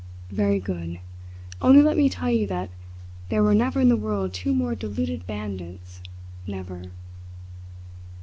"Very good! Only let me tell you that there were never in the world two more deluded bandits never!"